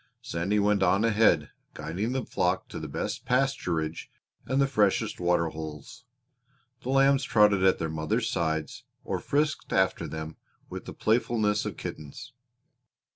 Sandy went on ahead, guiding the flock to the best pasturage and the freshest water holes. The lambs trotted at their mother's sides or frisked after them with the playfulness of kittens.